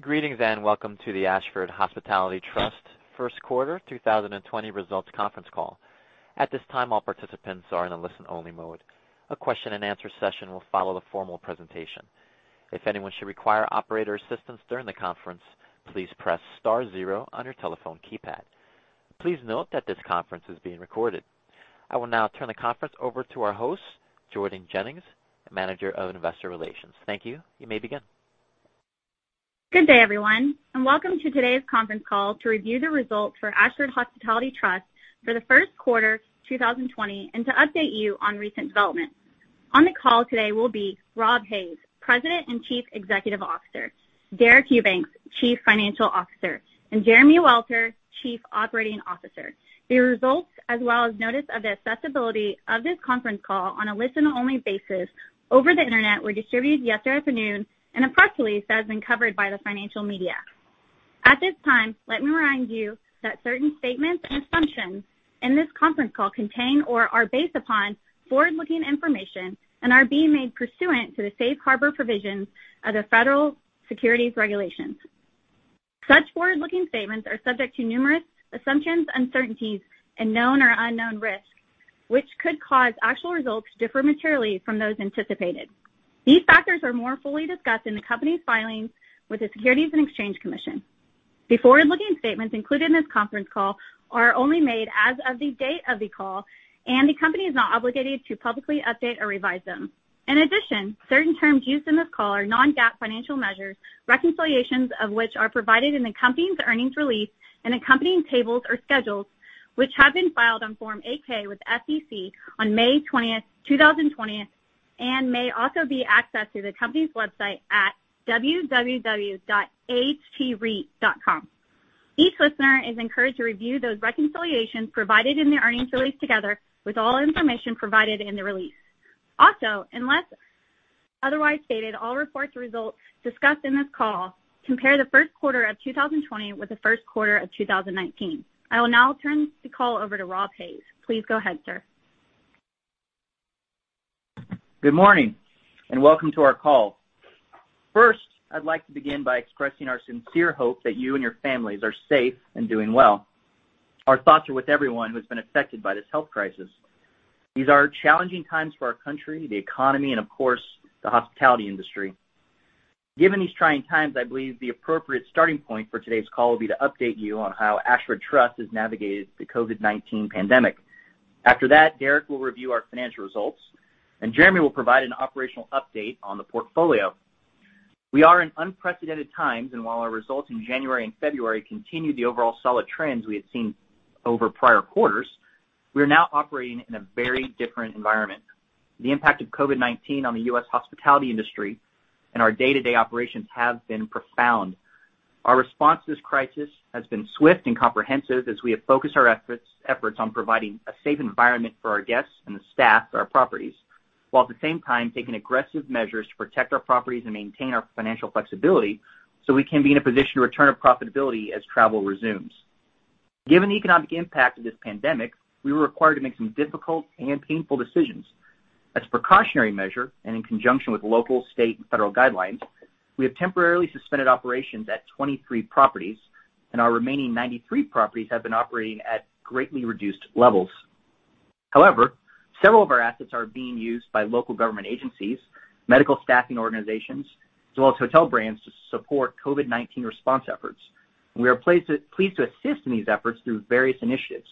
Greetings, and welcome to the Ashford Hospitality Trust first quarter 2020 results conference call. At this time, all participants are in a listen-only mode. A question and answer session will follow the formal presentation. If anyone should require operator assistance during the conference, please press star zero on your telephone keypad. Please note that this conference is being recorded. I will now turn the conference over to our host, Jordan Jennings, the Manager of Investor Relations. Thank you. You may begin. Good day, everyone, and welcome to today's conference call to review the results for Ashford Hospitality Trust for the first quarter 2020, and to update you on recent developments. On the call today will be Rob Hays, President and Chief Executive Officer, Deric Eubanks, Chief Financial Officer, and Jeremy Welter, Chief Operating Officer. The results, as well as notice of the accessibility of this conference call on a listen only basis over the Internet, were distributed yesterday afternoon in a press release that has been covered by the financial media. At this time, let me remind that certain statements and assumptions in this conference call contain or are based upon forward-looking information and are being made pursuant to the safe harbor provisions of the Federal Securities Regulations. Such forward-looking statements are subject to numerous assumptions, uncertainties, and known or unknown risks, which could cause actual results to differ materially from those anticipated. These factors are more fully discussed in the company's filings with the Securities and Exchange Commission. The forward-looking statements included in this conference call are only made as of the date of the call, and the company is not obligated to publicly update or revise them. In addition, certain terms used in this call are non-GAAP financial measures, reconciliations of which are provided in the company's earnings release and accompanying tables or schedules, which have been filed on Form 8-K with the SEC on May 20th, 2020, and may also be accessed through the company's website at www.ahtreit.com. Each listener is encouraged to review those reconciliations provided in the earnings release together with all information provided in the release. Unless otherwise stated, all reported results discussed in this call compare the first quarter of 2020 with the first quarter of 2019. I will now turn this call over to Rob Hays. Please go ahead, sir. Good morning, and welcome to our call. First, I'd like to begin by expressing our sincere hope that you and your families are safe and doing well. Our thoughts are with everyone who's been affected by this health crisis. These are challenging times for our country, the economy, and of course, the hospitality industry. Given these trying times, I believe the appropriate starting point for today's call will be to update you on how Ashford Trust has navigated the COVID-19 pandemic. After that, Deric will review our financial results, and Jeremy will provide an operational update on the portfolio. We are in unprecedented times, and while our results in January and February continued the overall solid trends we had seen over prior quarters, we are now operating in a very different environment. The impact of COVID-19 on the U.S. hospitality industry and our day-to-day operations have been profound. Our response to this crisis has been swift and comprehensive as we have focused our efforts on providing a safe environment for our guests and the staff at our properties, while at the same time, taking aggressive measures to protect our properties and maintain our financial flexibility so we can be in a position to return to profitability as travel resumes. Given the economic impact of this pandemic, we were required to make some difficult and painful decisions. As a precautionary measure, in conjunction with local, state, and federal guidelines, we have temporarily suspended operations at 23 properties, and our remaining 93 properties have been operating at greatly reduced levels. Several of our assets are being used by local government agencies, medical staffing organizations, as well as hotel brands to support COVID-19 response efforts. We are pleased to assist in these efforts through various initiatives.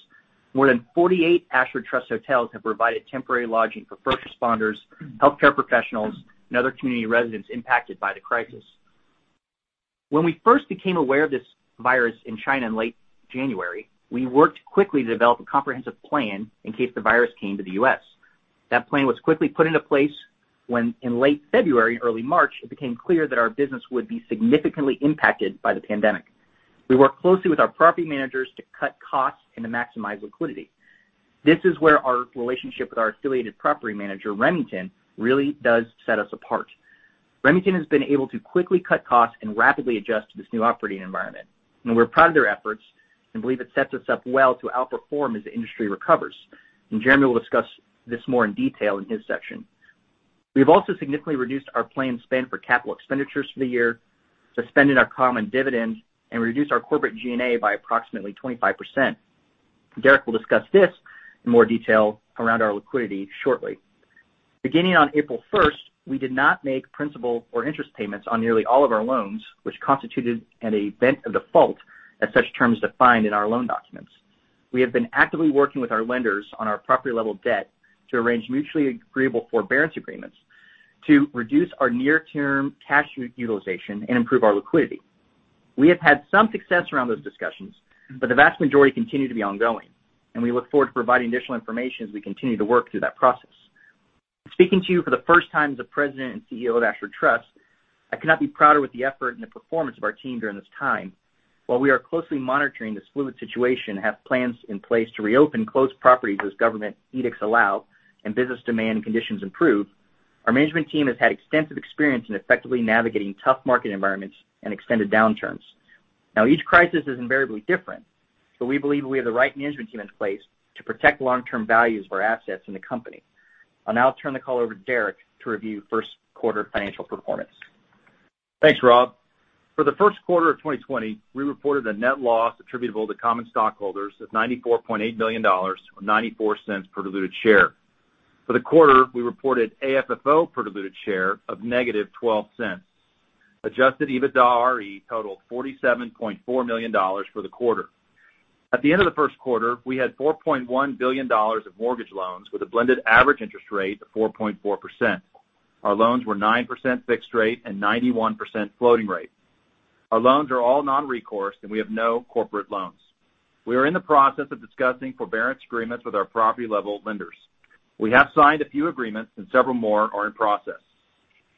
More than 48 Ashford Trust hotels have provided temporary lodging for first responders, healthcare professionals, and other community residents impacted by the crisis. When we first became aware of this virus in China in late January, we worked quickly to develop a comprehensive plan in case the virus came to the U.S. That plan was quickly put into place when in late February, early March, it became clear that our business would be significantly impacted by the pandemic. We worked closely with our property managers to cut costs and to maximize liquidity. This is where our relationship with our affiliated property manager, Remington, really does set us apart. Remington has been able to quickly cut costs and rapidly adjust to this new operating environment, and we're proud of their efforts and believe it sets us up well to outperform as the industry recovers, and Jeremy will discuss this more in detail in his section. We have also significantly reduced our planned spend for capital expenditures for the year, suspended our common dividend, and reduced our corporate G&A by approximately 25%. Deric will discuss this in more detail around our liquidity shortly. Beginning on April 1st, we did not make principal or interest payments on nearly all of our loans, which constituted an event of default as such terms defined in our loan documents. We have been actively working with our lenders on our property-level debt to arrange mutually agreeable forbearance agreements to reduce our near-term cash utilization and improve our liquidity. We have had some success around those discussions, but the vast majority continue to be ongoing, and we look forward to providing additional information as we continue to work through that process. Speaking to you for the first time as the President and CEO of Ashford Trust, I could not be prouder with the effort and the performance of our team during this time. While we are closely monitoring this fluid situation and have plans in place to reopen closed properties as government edicts allow and business demand and conditions improve, our management team has had extensive experience in effectively navigating tough market environments and extended downturns. Now, each crisis is invariably different, but we believe we have the right management team in place to protect long-term values for assets in the company. I'll now turn the call over to Deric to review first quarter financial performance. Thanks, Rob. For the first quarter of 2020, we reported a net loss attributable to common stockholders of $94.8 million, or $0.94 per diluted share. For the quarter, we reported AFFO per diluted share of negative $0.12. Adjusted EBITDAre totaled $47.4 million for the quarter. At the end of the first quarter, we had $4.1 billion of mortgage loans, with a blended average interest rate of 4.4%. Our loans were 9% fixed rate and 91% floating rate. Our loans are all non-recourse, and we have no corporate loans. We are in the process of discussing forbearance agreements with our property-level lenders. We have signed a few agreements and several more are in process.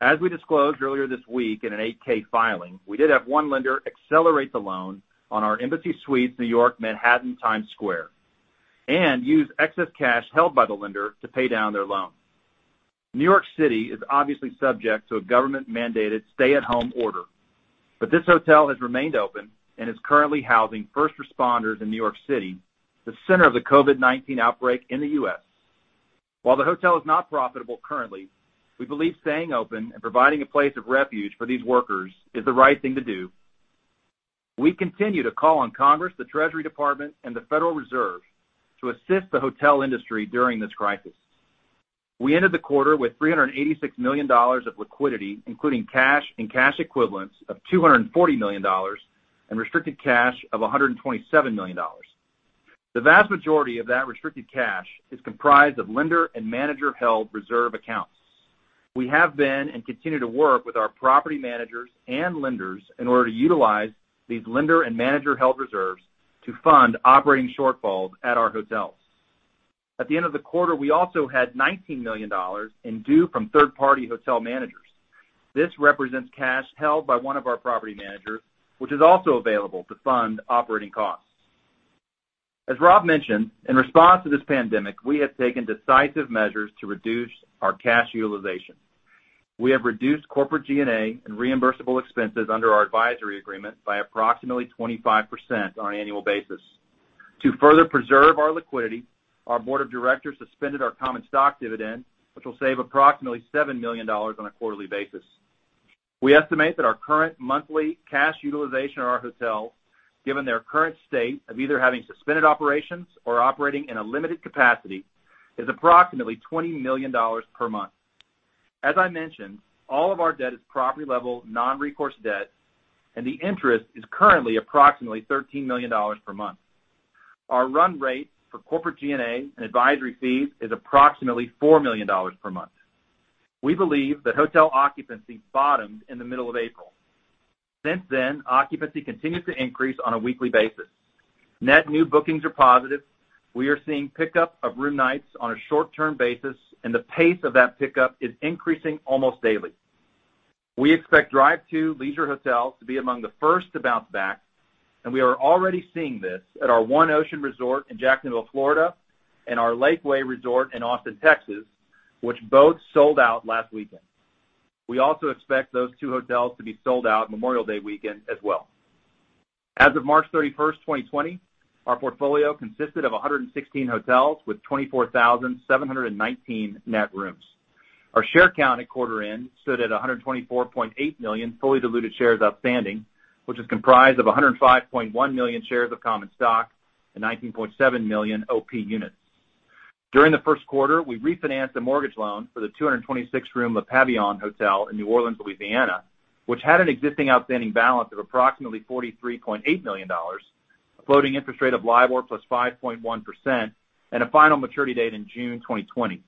As we disclosed earlier this week in an 8-K filing, we did have one lender accelerate the loan on our Embassy Suites New York Manhattan Times Square, and use excess cash held by the lender to pay down their loan. New York City is obviously subject to a government-mandated stay-at-home order, but this hotel has remained open and is currently housing first responders in New York City, the center of the COVID-19 outbreak in the U.S. While the hotel is not profitable currently, we believe staying open and providing a place of refuge for these workers is the right thing to do. We continue to call on Congress, the Treasury Department, and the Federal Reserve to assist the hotel industry during this crisis. We ended the quarter with $386 million of liquidity, including cash and cash equivalents of $240 million and restricted cash of $127 million. The vast majority of that restricted cash is comprised of lender and manager-held reserve accounts. We have been and continue to work with our property managers and lenders in order to utilize these lender and manager-held reserves to fund operating shortfalls at our hotels. At the end of the quarter, we also had $19 million in due from third-party hotel managers. This represents cash held by one of our property managers, which is also available to fund operating costs. As Rob mentioned, in response to this pandemic, we have taken decisive measures to reduce our cash utilization. We have reduced corporate G&A and reimbursable expenses under our advisory agreement by approximately 25% on an annual basis. To further preserve our liquidity, our board of directors suspended our common stock dividend, which will save approximately $7 million on a quarterly basis. We estimate that our current monthly cash utilization at our hotels, given their current state of either having suspended operations or operating in a limited capacity, is approximately $20 million per month. As I mentioned, all of our debt is property-level, non-recourse debt, and the interest is currently approximately $13 million per month. Our run rate for corporate G&A and advisory fees is approximately $4 million per month. We believe that hotel occupancy bottomed in the middle of April. Since then, occupancy continues to increase on a weekly basis. Net new bookings are positive. We are seeing pickup of room nights on a short-term basis, and the pace of that pickup is increasing almost daily. We expect drive-to leisure hotels to be among the first to bounce back. We are already seeing this at our One Ocean Resort in Jacksonville, Florida, and our Lakeway Resort in Austin, Texas, which both sold out last weekend. We also expect those two hotels to be sold out Memorial Day weekend as well. As of March 31st, 2020, our portfolio consisted of 116 hotels with 24,719 net rooms. Our share count at quarter end stood at 124.8 million fully diluted shares outstanding, which is comprised of 105.1 million shares of common stock and 19.7 million OP units. During the first quarter, we refinanced a mortgage loan for the 226-room Le Pavillon Hotel in New Orleans, Louisiana, which had an existing outstanding balance of approximately $43.8 million, a floating interest rate of LIBOR plus 5.1%, and a final maturity date in June 2020.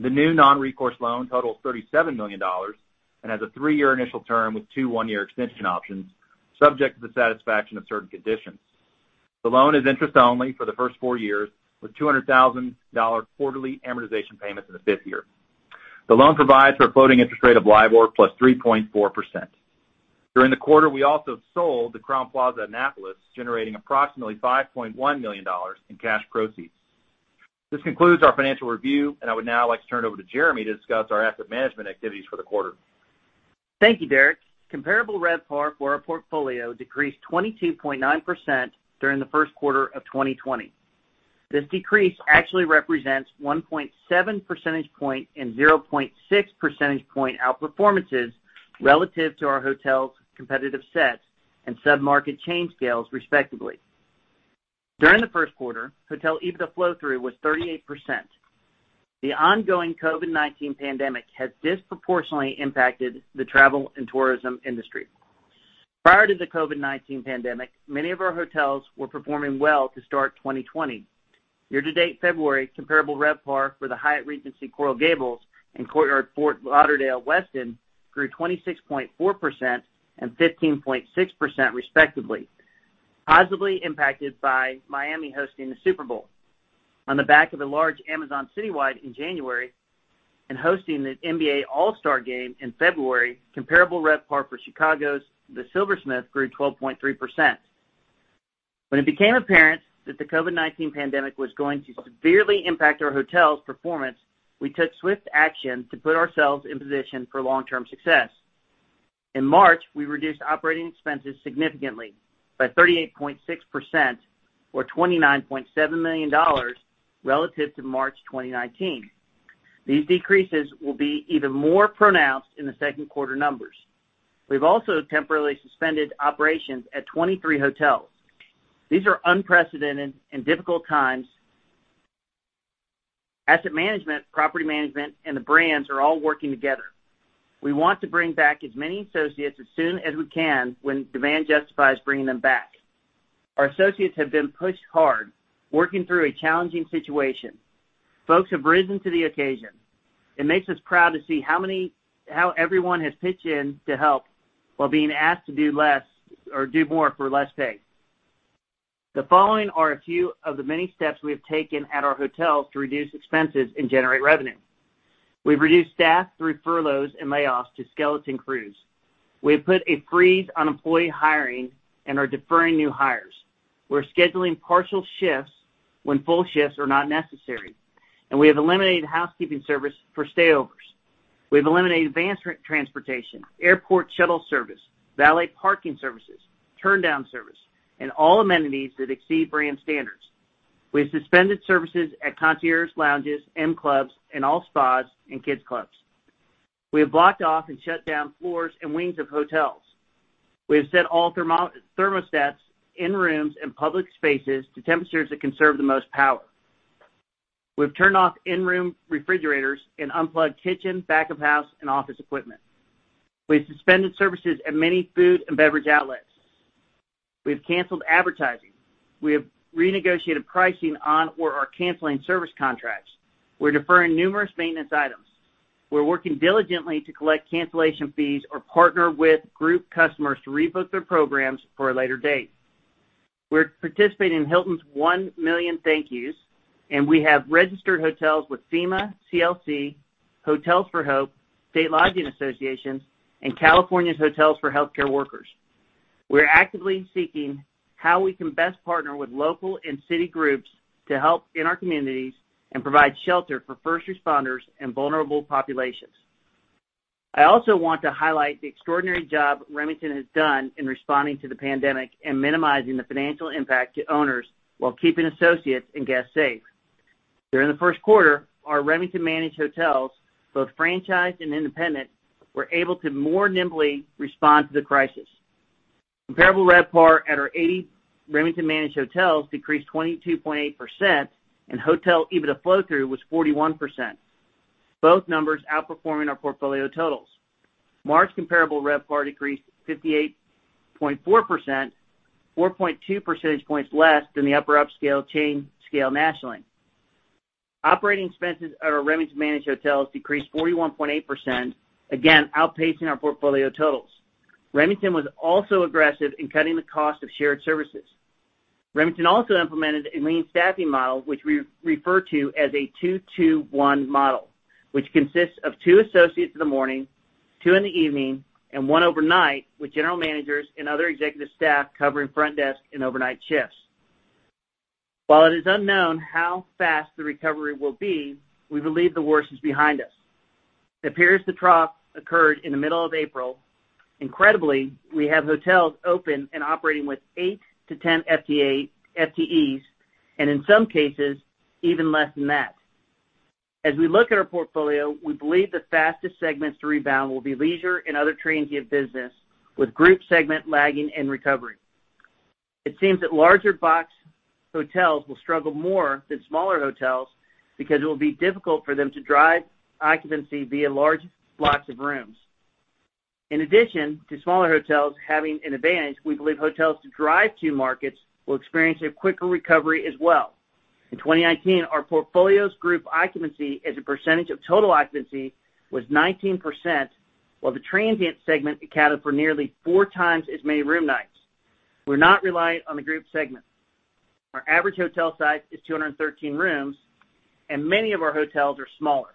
The new non-recourse loan totals $37 million and has a three-year initial term with two one-year extension options, subject to the satisfaction of certain conditions. The loan is interest-only for the first four years, with $200,000 quarterly amortization payments in the fifth year. The loan provides for a floating interest rate of LIBOR plus 3.4%. During the quarter, we also sold the Crowne Plaza Annapolis, generating approximately $5.1 million in cash proceeds. This concludes our financial review, and I would now like to turn it over to Jeremy to discuss our asset management activities for the quarter. Thank you, Deric. Comparable RevPAR for our portfolio decreased 22.9% during the first quarter of 2020. This decrease actually represents 1.7 percentage point and 0.6 percentage point outperformances relative to our hotel's competitive set and sub-market chain scales, respectively. During the first quarter, hotel EBITDA flow-through was 38%. The ongoing COVID-19 pandemic has disproportionately impacted the travel and tourism industry. Prior to the COVID-19 pandemic, many of our hotels were performing well to start 2020. Year-to-date February comparable RevPAR for the Hyatt Regency Coral Gables and Courtyard Fort Lauderdale Weston grew 26.4% and 15.6% respectively, positively impacted by Miami hosting the Super Bowl. On the back of a large Amazon citywide in January and hosting the NBA All-Star Game in February, comparable RevPAR for Chicago's The Silversmith grew 12.3%. When it became apparent that the COVID-19 pandemic was going to severely impact our hotels' performance, we took swift action to put ourselves in position for long-term success. In March, we reduced operating expenses significantly by 38.6%, or $29.7 million relative to March 2019. These decreases will be even more pronounced in the second quarter numbers. We've also temporarily suspended operations at 23 hotels. These are unprecedented and difficult times. Asset management, property management, and the brands are all working together. We want to bring back as many associates as soon as we can when demand justifies bringing them back. Our associates have been pushed hard, working through a challenging situation. Folks have risen to the occasion. It makes us proud to see how everyone has pitched in to help while being asked to do more for less pay. The following are a few of the many steps we have taken at our hotels to reduce expenses and generate revenue. We've reduced staff through furloughs and layoffs to skeleton crews. We have put a freeze on employee hiring and are deferring new hires. We're scheduling partial shifts when full shifts are not necessary, and we have eliminated housekeeping service for stay-overs. We've eliminated van transportation, airport shuttle service, valet parking services, turndown service, and all amenities that exceed brand standards. We have suspended services at concierges, lounges, M Club, and all spas and kids clubs. We have blocked off and shut down floors and wings of hotels. We have set all thermostats in rooms and public spaces to temperatures that conserve the most power. We've turned off in-room refrigerators and unplugged kitchen, back of house, and office equipment. We've suspended services at many food and beverage outlets. We've canceled advertising. We have renegotiated pricing on or are canceling service contracts. We're deferring numerous maintenance items. We're working diligently to collect cancellation fees or partner with group customers to rebook their programs for a later date. We're participating in Hilton's One Million Thank Yous, and we have registered hotels with FEMA, CLC, Hotels for Hope, state lodging associations, and California's hotels for healthcare workers. We're actively seeking how we can best partner with local and city groups to help in our communities and provide shelter for first responders and vulnerable populations. I also want to highlight the extraordinary job Remington has done in responding to the pandemic and minimizing the financial impact to owners while keeping associates and guests safe. During the first quarter, our Remington managed hotels, both franchised and independent, were able to more nimbly respond to the crisis. Comparable RevPAR at our 80 Remington managed hotels decreased 22.8%, and hotel EBITDA flow-through was 41%, both numbers outperforming our portfolio totals. March comparable RevPAR decreased 58.4%, 4.2 percentage points less than the upper upscale chain scale nationally. Operating expenses at our Remington managed hotels decreased 41.8%, again, outpacing our portfolio totals. Remington was also aggressive in cutting the cost of shared services. Remington also implemented a lean staffing model, which we refer to as a two-two-one model, which consists of two associates in the morning, two in the evening, and one overnight, with general managers and other executive staff covering front desk and overnight shifts. While it is unknown how fast the recovery will be, we believe the worst is behind us. It appears the trough occurred in the middle of April. Incredibly, we have hotels open and operating with eight to 10 FTEs, and in some cases, even less than that. As we look at our portfolio, we believe the fastest segments to rebound will be leisure and other transient business, with group segment lagging in recovery. It seems that larger box hotels will struggle more than smaller hotels because it will be difficult for them to drive occupancy via large blocks of rooms. In addition to smaller hotels having an advantage, we believe hotels in drive-to markets will experience a quicker recovery as well. In 2019, our portfolio's group occupancy as a percentage of total occupancy was 19%, while the transient segment accounted for nearly four times as many room nights. We're not reliant on the group segment. Our average hotel size is 213 rooms, and many of our hotels are smaller.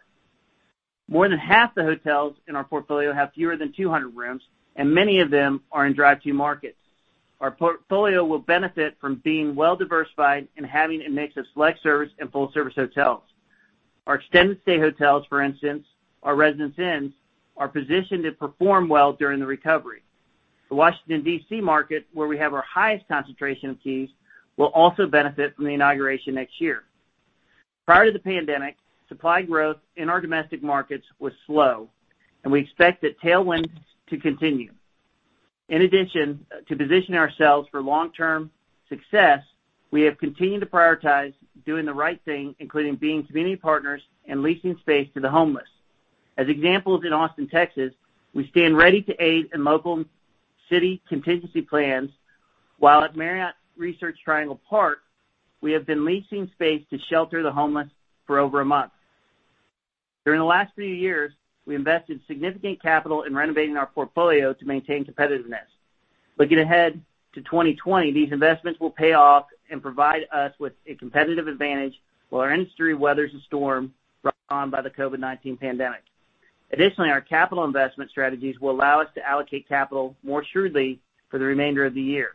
More than half the hotels in our portfolio have fewer than 200 rooms, and many of them are in drive-to markets. Our portfolio will benefit from being well-diversified and having a mix of select service and full-service hotels. Our extended stay hotels, for instance, our Residence Inns, are positioned to perform well during the recovery. The Washington, D.C. market, where we have our highest concentration of keys, will also benefit from the inauguration next year. Prior to the pandemic, supply growth in our domestic markets was slow, and we expect that tailwind to continue. In addition to positioning ourselves for long-term success, we have continued to prioritize doing the right thing, including being community partners and leasing space to the homeless. As examples in Austin, Texas, we stand ready to aid in local city contingency plans, while at Marriott Research Triangle Park, we have been leasing space to shelter the homeless for over a month. During the last few years, we invested significant capital in renovating our portfolio to maintain competitiveness. Looking ahead to 2020, these investments will pay off and provide us with a competitive advantage while our industry weathers the storm brought on by the COVID-19 pandemic. Additionally, our capital investment strategies will allow us to allocate capital more shrewdly for the remainder of the year.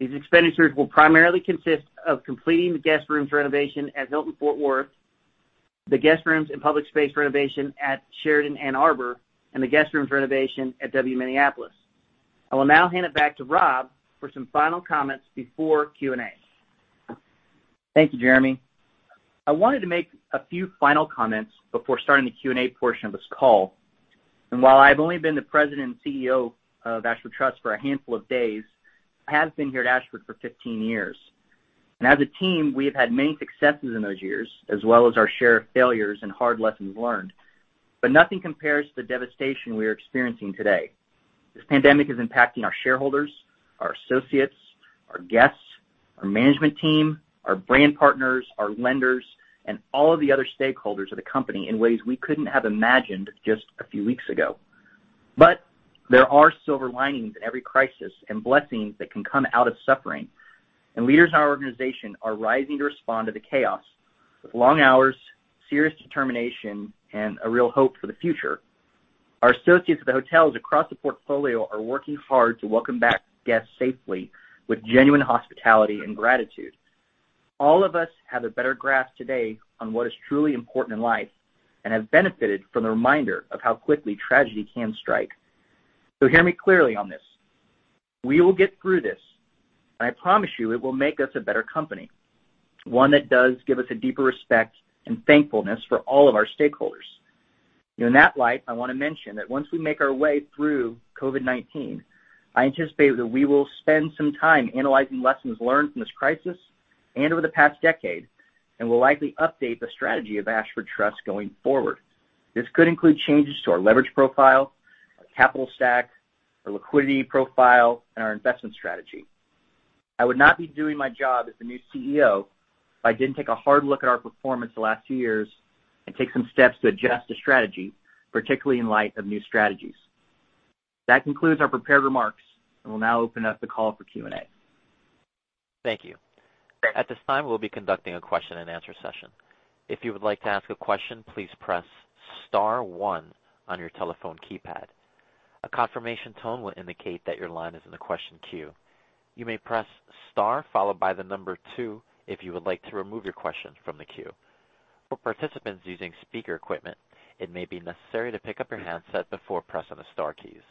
These expenditures will primarily consist of completing the guest rooms renovation at Hilton Fort Worth, the guest rooms and public space renovation at Sheraton Ann Arbor, and the guest rooms renovation at W Minneapolis. I will now hand it back to Rob for some final comments before Q&A. Thank you, Jeremy. I wanted to make a few final comments before starting the Q&A portion of this call. While I've only been the President and Chief Executive Officer of Ashford Trust for a handful of days, I have been here at Ashford for 15 years. As a team, we have had many successes in those years, as well as our share of failures and hard lessons learned. Nothing compares to the devastation we are experiencing today. This pandemic is impacting our shareholders, our associates, our guests, our management team, our brand partners, our lenders, and all of the other stakeholders of the company in ways we couldn't have imagined just a few weeks ago. There are silver linings in every crisis and blessings that can come out of suffering, and leaders in our organization are rising to respond to the chaos with long hours, serious determination, and a real hope for the future. Our associates at the hotels across the portfolio are working hard to welcome back guests safely with genuine hospitality and gratitude. All of us have a better grasp today on what is truly important in life and have benefited from the reminder of how quickly tragedy can strike. Hear me clearly on this. We will get through this, and I promise you, it will make us a better company, one that does give us a deeper respect and thankfulness for all of our stakeholders. In that light, I want to mention that once we make our way through COVID-19, I anticipate that we will spend some time analyzing lessons learned from this crisis and over the past decade, and we'll likely update the strategy of Ashford Trust going forward. This could include changes to our leverage profile, our capital stack, our liquidity profile, and our investment strategy. I would not be doing my job as the new CEO if I didn't take a hard look at our performance the last few years and take some steps to adjust the strategy, particularly in light of new strategies. That concludes our prepared remarks. We'll now open up the call for Q&A. Thank you. At this time, we'll be conducting a question and answer session. If you would like to ask a question, please press star one on your telephone keypad. A confirmation tone will indicate that your line is in the question queue. You may press star followed by the number two if you would like to remove your question from the queue. For participants using speaker equipment, it may be necessary to pick up your handset before pressing the star keys.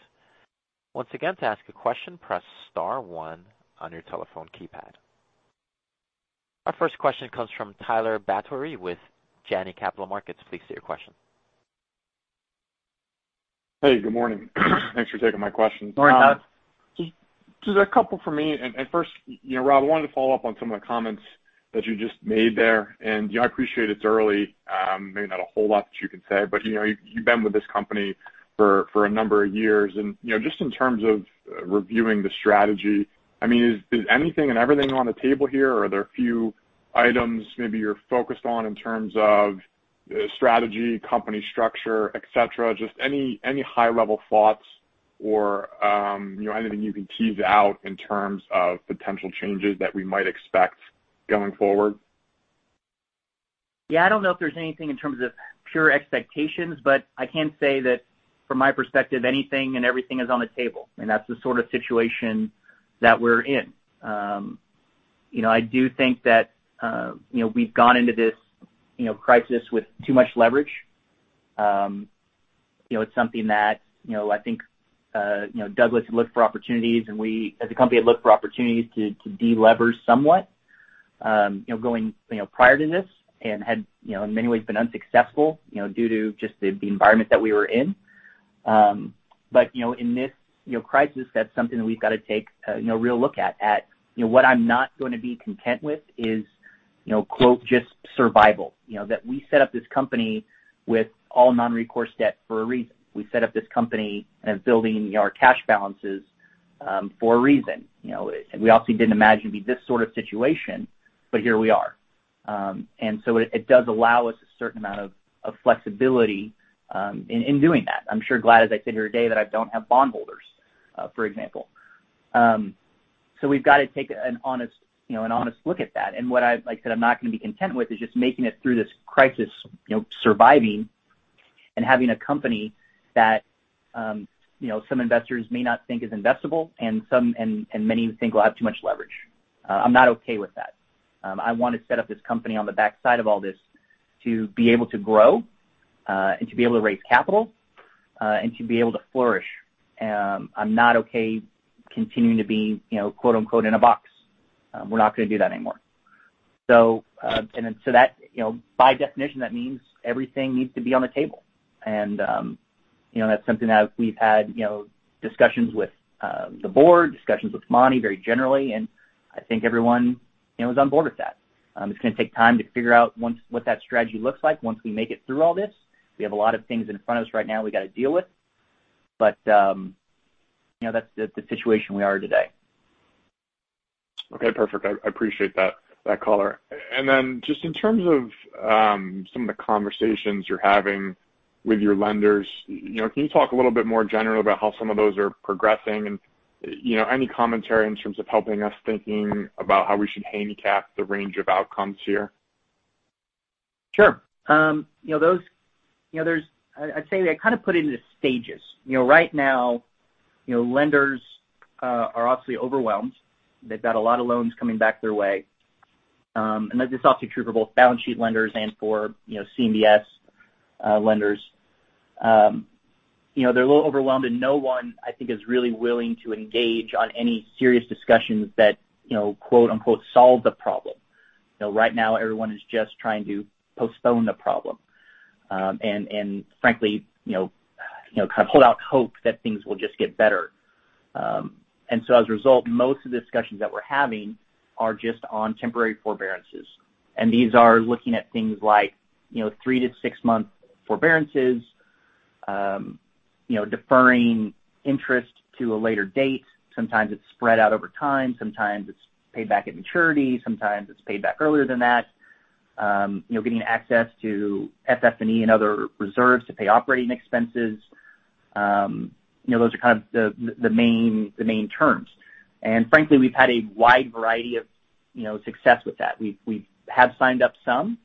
Once again, to ask a question, press star one on your telephone keypad. Our first question comes from Tyler Batory with Janney Capital Markets. Please state your question. Hey, good morning. Thanks for taking my question. Good morning, Tyler. Just a couple from me. First, Rob, I wanted to follow up on some of the comments that you just made there. I appreciate it's early, maybe not a whole lot that you can say, but you've been with this company for a number of years. Just in terms of reviewing the strategy, is anything and everything on the table here, or are there a few items maybe you're focused on in terms of strategy, company structure, et cetera? Just any high level thoughts or anything you can tease out in terms of potential changes that we might expect going forward? Yeah, I don't know if there's anything in terms of pure expectations, but I can say that from my perspective, anything and everything is on the table, and that's the sort of situation that we're in. I do think that we've gone into this crisis with too much leverage. It's something that I think Douglas had looked for opportunities, and we as a company, had looked for opportunities to de-leverage somewhat prior to this, and had in many ways been unsuccessful, due to just the environment that we were in. In this crisis, that's something that we've got to take a real look at. What I'm not going to be content with is quote, "just survival." That we set up this company with all non-recourse debt for a reason. We set up this company and building our cash balances for a reason. We obviously didn't imagine it'd be this sort of situation, but here we are. It does allow us a certain amount of flexibility in doing that. I'm sure glad, as I sit here today, that I don't have bondholders, for example. We've got to take an honest look at that. What, like I said, I'm not going to be content with is just making it through this crisis, surviving and having a company that some investors may not think is investable and many think will have too much leverage. I'm not okay with that. I want to set up this company on the backside of all this to be able to grow, and to be able to raise capital, and to be able to flourish. I'm not okay continuing to be, quote-unquote, "in a box." We're not going to do that anymore. By definition, that means everything needs to be on the table. That's something that we've had discussions with the board, discussions with Monty, very generally, and I think everyone is on board with that. It's going to take time to figure out what that strategy looks like once we make it through all this. We have a lot of things in front of us right now we got to deal with. That's the situation we are today. Okay, perfect. I appreciate that color. Just in terms of some of the conversations you're having with your lenders, can you talk a little bit more generally about how some of those are progressing and any commentary in terms of helping us thinking about how we should handicap the range of outcomes here? Sure. I'd say they kind of put it into stages. Right now, lenders are obviously overwhelmed. They've got a lot of loans coming back their way. That's just obviously true for both balance sheet lenders and for CMBS lenders. They're a little overwhelmed, and no one, I think, is really willing to engage on any serious discussions that, quote unquote, "Solve the problem." Right now, everyone is just trying to postpone the problem. Frankly, kind of hold out hope that things will just get better. As a result, most of the discussions that we're having are just on temporary forbearances. These are looking at things like, 3 to 6-month forbearances, deferring interest to a later date. Sometimes it's spread out over time, sometimes it's paid back at maturity, sometimes it's paid back earlier than that. Getting access to FF&E and other reserves to pay operating expenses. Those are kind of the main terms. Frankly, we've had a wide variety of success with that. We have signed up some,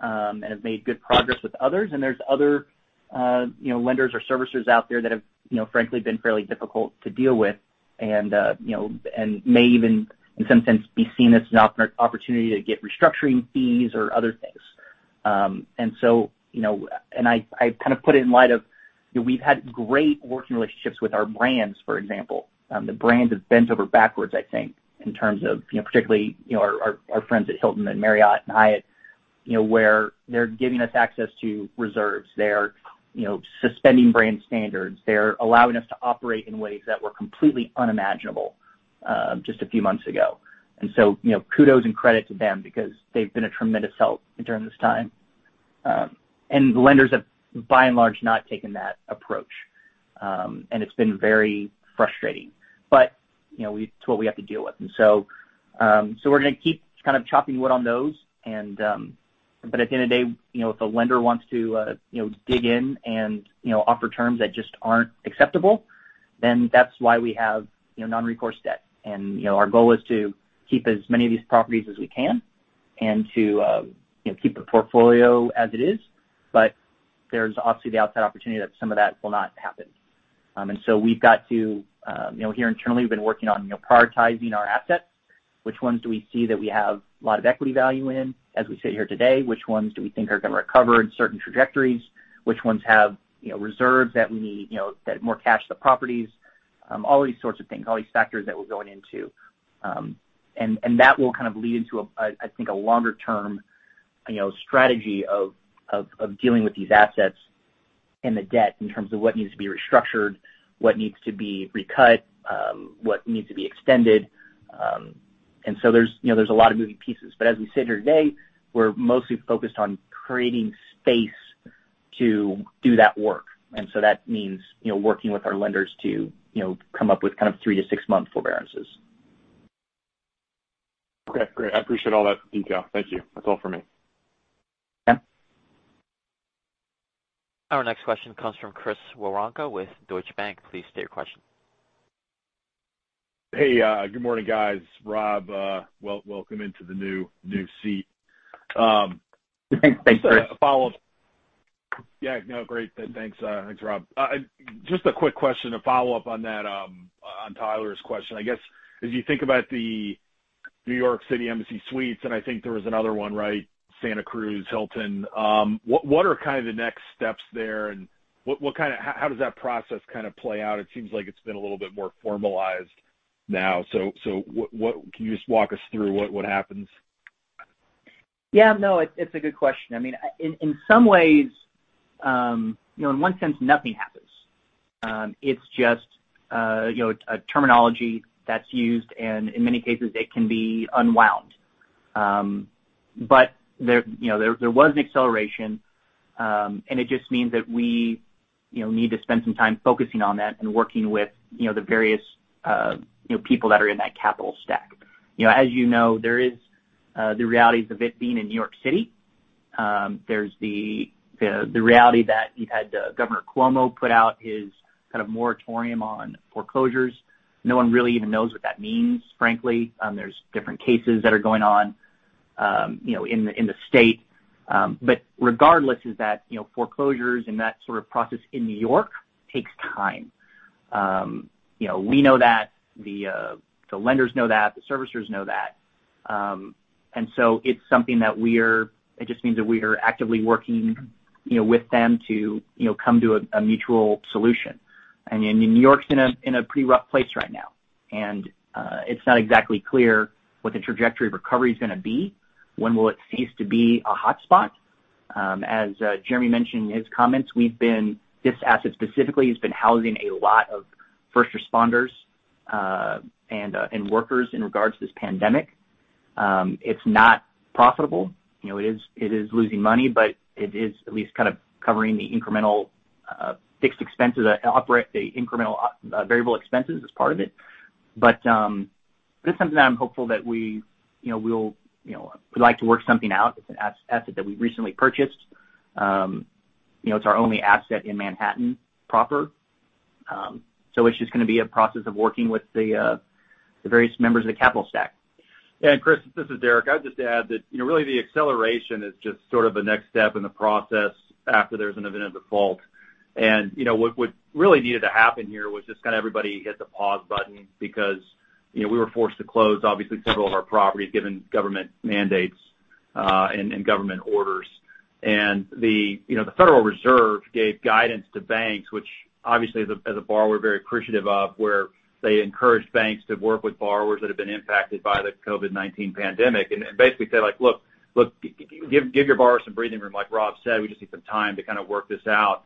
and have made good progress with others. There's other lenders or servicers out there that have, frankly, been fairly difficult to deal with and may even, in some sense, be seen as an opportunity to get restructuring fees or other things. I kind of put it in light of, we've had great working relationships with our brands, for example. The brands have bent over backwards, I think, in terms of, particularly, our friends at Hilton and Marriott and Hyatt, where they're giving us access to reserves. They're suspending brand standards. They're allowing us to operate in ways that were completely unimaginable just a few months ago. Kudos and credit to them because they've been a tremendous help during this time. The lenders have, by and large, not taken that approach. It's been very frustrating. It's what we have to deal with. We're going to keep kind of chopping wood on those. At the end of the day, if a lender wants to dig in and offer terms that just aren't acceptable, then that's why we have non-recourse debt. Our goal is to keep as many of these properties as we can and to keep the portfolio as it is. There's obviously the outside opportunity that some of that will not happen. Here internally, we've been working on prioritizing our assets. Which ones do we see that we have a lot of equity value in as we sit here today? Which ones do we think are going to recover in certain trajectories? Which ones have reserves that we need, that more cash to the properties? All these sorts of things, all these factors that we're going into. That will kind of lead into, I think, a longer-term strategy of dealing with these assets and the debt in terms of what needs to be restructured, what needs to be recut, what needs to be extended. There's a lot of moving pieces. As we sit here today, we're mostly focused on creating space to do that work. That means working with our lenders to come up with kind of three to six-month forbearances. Okay, great. I appreciate all that detail. Thank you. That's all for me. Yeah. Our next question comes from Chris Woronka with Deutsche Bank. Please state your question. Hey, good morning, guys. Rob, welcome into the new seat. Thanks, Chris. Follow-up. Yeah, no, great. Thanks. Thanks, Rob. Just a quick question to follow up on that, on Tyler's question. I guess, as you think about the New York City Embassy Suites, and I think there was another one, right? Santa Cruz Hilton. What are kind of the next steps there, and how does that process kind of play out? It seems like it's been a little bit more formalized now. Can you just walk us through what happens? Yeah, no, it's a good question. In some ways, in one sense, nothing happens. It's just a terminology that's used, and in many cases, it can be unwound. There was an acceleration, and it just means that we need to spend some time focusing on that and working with the various people that are in that capital stack. As you know, there is the realities of it being in New York City. There's the reality that you had Governor Cuomo put out his kind of moratorium on foreclosures. No one really even knows what that means, frankly. There's different cases that are going on in the state. Regardless, is that foreclosures and that sort of process in New York takes time. We know that, the lenders know that, the servicers know that. It's something that we are actively working with them to come to a mutual solution. New York's in a pretty rough place right now, and it's not exactly clear what the trajectory of recovery is going to be. When will it cease to be a hotspot? As Jeremy mentioned in his comments, this asset specifically has been housing a lot of first responders and workers in regards to this pandemic. It's not profitable. It is losing money, but it is at least kind of covering the incremental fixed expenses, the incremental variable expenses as part of it. That's something that I'm hopeful that we'd like to work something out. It's an asset that we recently purchased. It's our only asset in Manhattan proper. It's just going to be a process of working with the various members of the capital stack. Chris, this is Deric. I'd just add that really the acceleration is just sort of the next step in the process after there's an event of default. What really needed to happen here was just kind of everybody hit the pause button because we were forced to close, obviously, several of our properties, given government mandates and government orders. The Federal Reserve gave guidance to banks, which obviously, as a borrower, very appreciative of, where they encouraged banks to work with borrowers that have been impacted by the COVID-19 pandemic and basically say, "Look, give your borrowers some breathing room." Like Rob said, we just need some time to kind of work this out.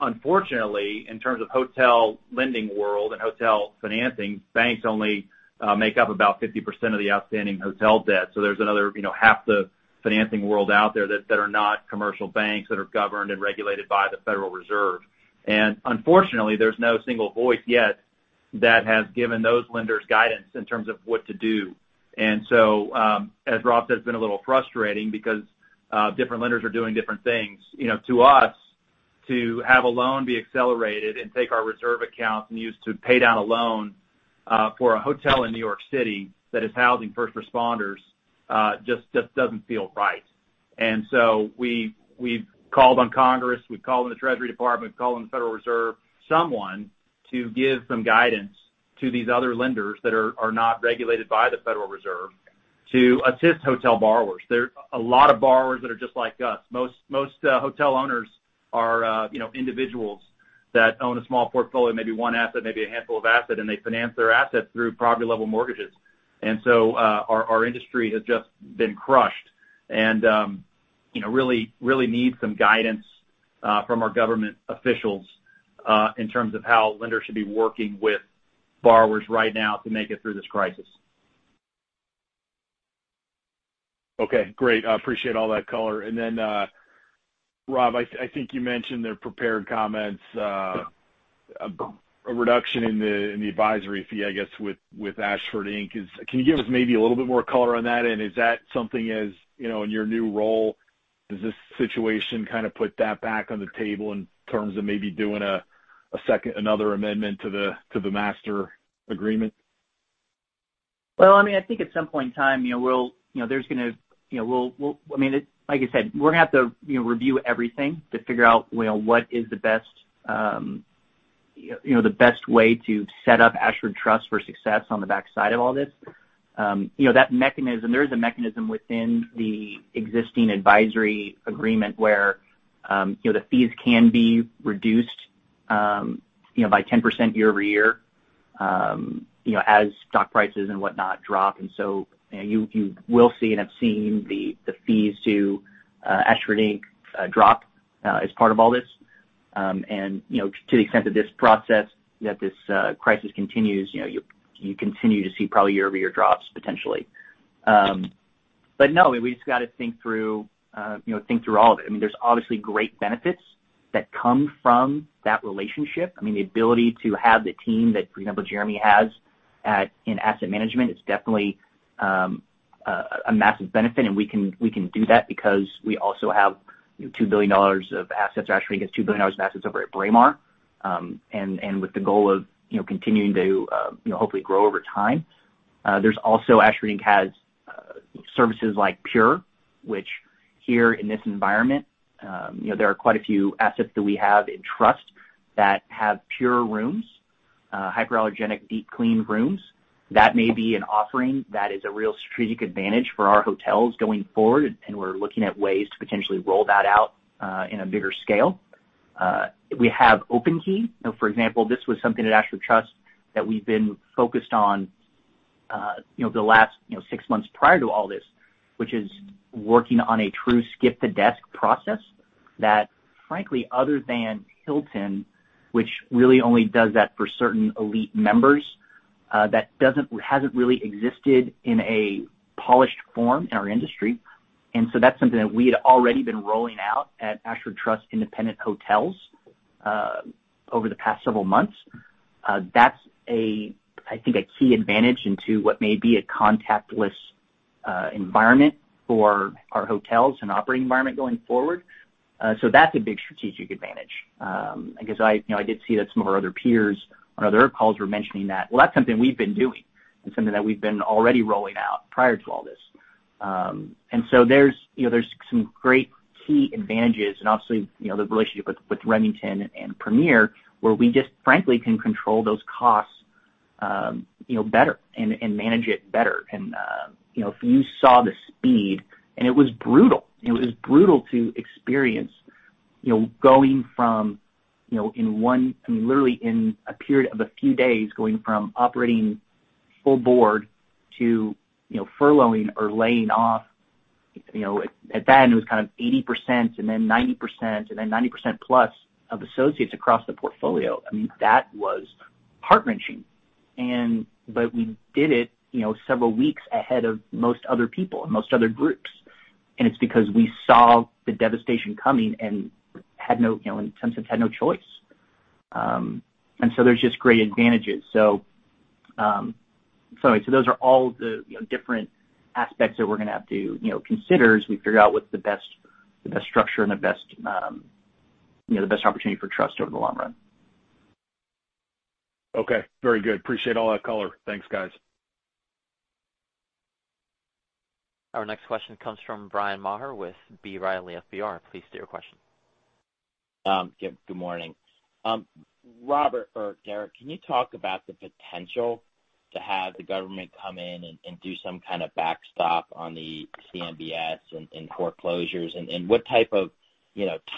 Unfortunately, in terms of hotel lending world and hotel financing, banks only make up about 50% of the outstanding hotel debt. There's another half the financing world out there that are not commercial banks that are governed and regulated by the Federal Reserve. Unfortunately, there's no single voice yet that has given those lenders guidance in terms of what to do. As Rob said, it's been a little frustrating because different lenders are doing different things. To us, to have a loan be accelerated and take our reserve accounts and use to pay down a loan for a hotel in New York City that is housing first responders just doesn't feel right. We've called on Congress, we've called on the Treasury Department, we've called on the Federal Reserve, someone to give some guidance to these other lenders that are not regulated by the Federal Reserve to assist hotel borrowers. There are a lot of borrowers that are just like us. Most hotel owners are individuals that own a small portfolio, maybe one asset, maybe a handful of assets, they finance their assets through property-level mortgages. Our industry has just been crushed and really needs some guidance from our government officials in terms of how lenders should be working with borrowers right now to make it through this crisis. Okay, great. I appreciate all that color. Rob, I think you mentioned the prepared comments, a reduction in the advisory fee, I guess, with Ashford Inc. Can you give us maybe a little bit more color on that? Is that something as, in your new role, does this situation kind of put that back on the table in terms of maybe doing another amendment to the master agreement? Well, I think at some point in time, like I said, we're going to have to review everything to figure out what is the best way to set up Ashford Trust for success on the backside of all this. There is a mechanism within the existing advisory agreement where the fees can be reduced by 10% year-over-year as stock prices and whatnot drop. You will see and have seen the fees to Ashford Inc. drop as part of all this. To the extent that this process, that this crisis continues, you continue to see probably year-over-year drops potentially. No, we just got to think through all of it. There's obviously great benefits that come from that relationship. The ability to have the team that, for example, Jeremy has in asset management is definitely a massive benefit. We can do that because we also have $2 billion of assets, or actually, it's $2 billion of assets over at Braemar, and with the goal of continuing to hopefully grow over time. There's also Ashford Inc. has services like Pure, which here in this environment there are quite a few assets that we have in Ashford Trust that have Pure rooms, hypoallergenic deep clean rooms. That may be an offering that is a real strategic advantage for our hotels going forward, and we're looking at ways to potentially roll that out in a bigger scale. We have OpenKey. For example, this was something at Ashford Trust that we've been focused on the last six months prior to all this, which is working on a true skip-the-desk process that frankly, other than Hilton, which really only does that for certain elite members, that hasn't really existed in a polished form in our industry. That's something that we had already been rolling out at Ashford Trust independent hotels over the past several months. That's, I think, a key advantage into what may be a contactless environment for our hotels and operating environment going forward. That's a big strategic advantage. Because I did see that some of our other peers on other calls were mentioning that. Well, that's something we've been doing and something that we've been already rolling out prior to all this. There's some great key advantages and obviously the relationship with Remington and Premier, where we just frankly can control those costs better and manage it better. If you saw the speed, and it was brutal to experience going from, literally in a period of a few days, going from operating full board to furloughing or laying off. At the end, it was kind of 80% and then 90% and then 90% plus of associates across the portfolio. That was heart-wrenching. We did it several weeks ahead of most other people and most other groups, and it's because we saw the devastation coming and in sense had no choice. There's just great advantages. Those are all the different aspects that we're going to have to consider as we figure out what's the best structure and the best opportunity for Trust over the long run. Okay. Very good. Appreciate all that color. Thanks, guys. Our next question comes from Bryan Maher with B. Riley FBR. Please state your question. Good morning. Rob or Deric, can you talk about the potential to have the government come in and do some kind of backstop on the CMBS and foreclosures and what type of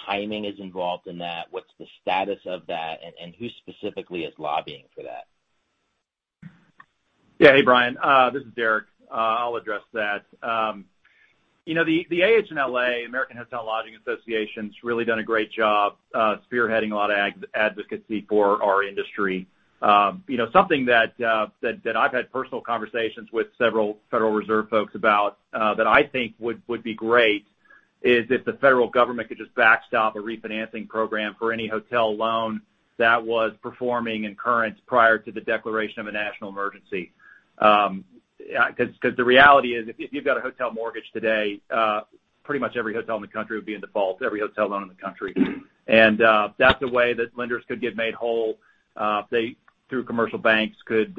timing is involved in that? What's the status of that, and who specifically is lobbying for that? Yeah. Hey, Bryan. This is Deric. I'll address that. The AHLA, American Hotel & Lodging Association, has really done a great job spearheading a lot of advocacy for our industry. Something that I've had personal conversations with several Federal Reserve folks about, that I think would be great, is if the federal government could just backstop a refinancing program for any hotel loan that was performing in current prior to the declaration of a national emergency. The reality is, if you've got a hotel mortgage today, pretty much every hotel in the country would be in default, every hotel loan in the country. That's a way that lenders could get made whole. Through commercial banks could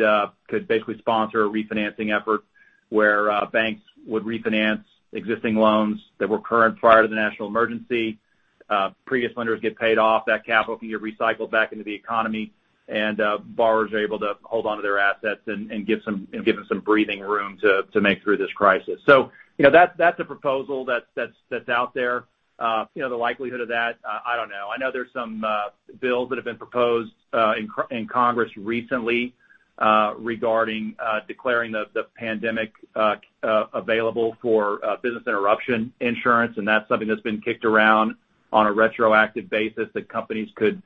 basically sponsor a refinancing effort where banks would refinance existing loans that were current prior to the national emergency. Previous lenders get paid off. That capital can get recycled back into the economy, and borrowers are able to hold onto their assets and give them some breathing room to make it through this crisis. That's a proposal that's out there. The likelihood of that, I don't know. I know there's some bills that have been proposed in Congress recently regarding declaring the pandemic available for business interruption insurance, and that's something that's been kicked around on a retroactive basis that companies could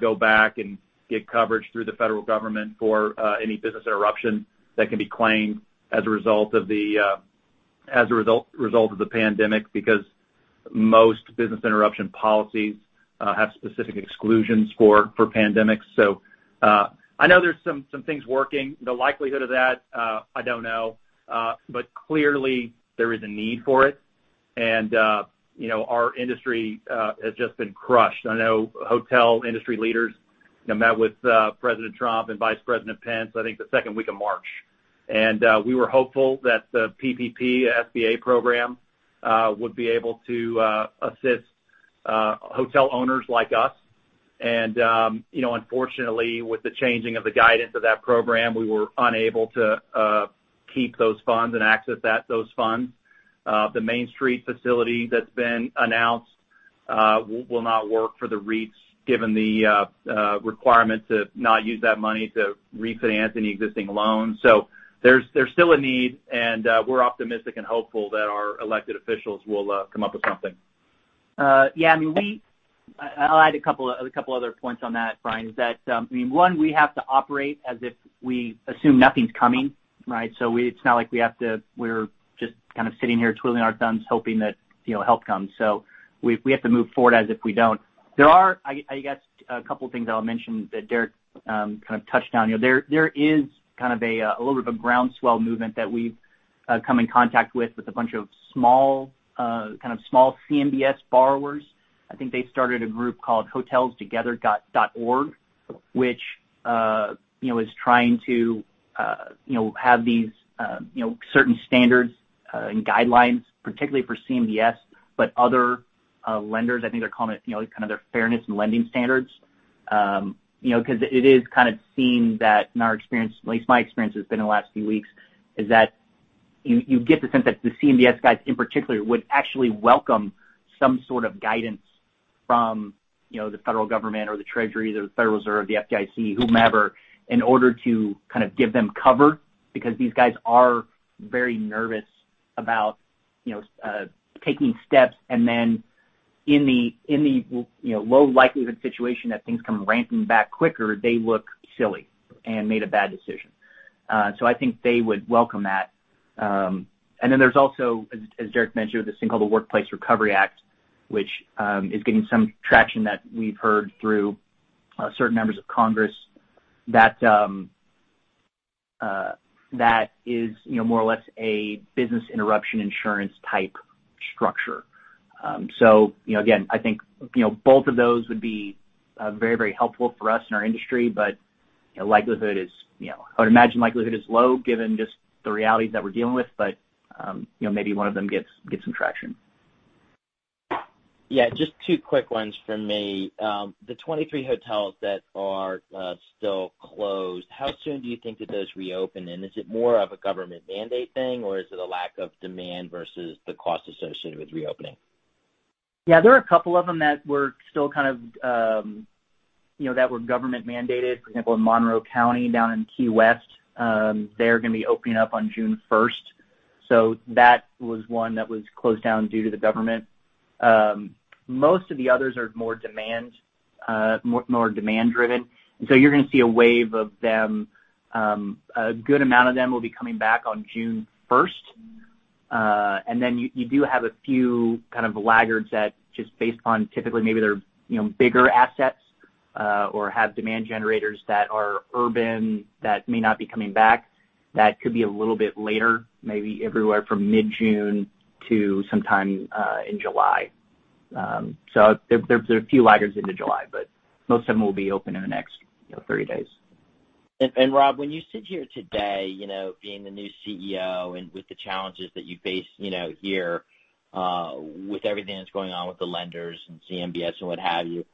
go back and get coverage through the federal government for any business interruption that can be claimed as a result of the pandemic, because most business interruption policies have specific exclusions for pandemics. I know there's some things working. The likelihood of that, I don't know. Clearly there is a need for it. Our industry has just been crushed. I know hotel industry leaders met with President Trump and Vice President Pence, I think the second week of March. We were hopeful that the PPP SBA program would be able to assist hotel owners like us. Unfortunately, with the changing of the guidance of that program, we were unable to keep those funds and access those funds. The Main Street facility that's been announced will not work for the REITs given the requirement to not use that money to refinance any existing loans. There's still a need, and we're optimistic and hopeful that our elected officials will come up with something. I'll add a couple other points on that, Bryan. Is that, one, we have to operate as if we assume nothing's coming. Right? It's not like we're just kind of sitting here twiddling our thumbs, hoping that help comes. We have to move forward as if we don't. I guess a couple of things I'll mention that Deric kind of touched on. There is kind of a little bit of a groundswell movement that we've come in contact with a bunch of small CMBS borrowers. I think they started a group called hotelstogether.org, which is trying to have these certain standards and guidelines, particularly for CMBS, but other lenders, I think they're calling it kind of their fairness in lending standards. Because it is kind of seen that in our experience, at least my experience has been in the last few weeks, is that you get the sense that the CMBS guys in particular would actually welcome some sort of guidance from the federal government or the Treasury or the Federal Reserve, the FDIC, whomever, in order to kind of give them cover, because these guys are very nervous about taking steps, and then in the low likelihood situation that things come ramping back quicker, they look silly and made a bad decision. I think they would welcome that. There's also, as Deric mentioned, this thing called the Workplace Recovery Act, which is getting some traction that we've heard through certain members of Congress that is more or less a business interruption insurance type structure. Again, I think both of those would be very helpful for us in our industry, but I would imagine likelihood is low given just the realities that we're dealing with. Maybe one of them gets some traction. Yeah. Just two quick ones from me. The 23 hotels that are still closed, how soon do you think that those reopen, and is it more of a government mandate thing, or is it a lack of demand versus the cost associated with reopening? Yeah, there are a couple of them that were government mandated. For example, in Monroe County, down in Key West. They're going to be opening up on June 1st. That was one that was closed down due to the government. Most of the others are more demand-driven, you're going to see a wave of them. A good amount of them will be coming back on June 1st. Then you do have a few kind of laggards that just based on typically maybe they're bigger assets, or have demand generators that are urban that may not be coming back. That could be a little bit later, maybe everywhere from mid-June to sometime in July. There are a few laggards into July, but most of them will be open in the next 30 days. Rob, when you sit here today, being the new CEO and with the challenges that you face here, with everything that's going on with the lenders and CMBS and what have you,